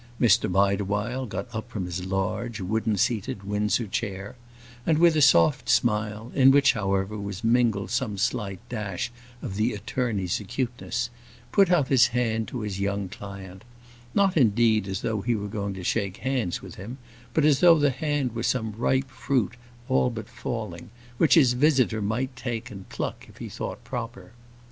Mr Bideawhile got up from his large wooden seated Windsor chair, and, with a soft smile, in which, however, was mingled some slight dash of the attorney's acuteness, put out his hand to his young client; not, indeed, as though he were going to shake hands with him, but as though the hand were some ripe fruit all but falling, which his visitor might take and pluck if he thought proper.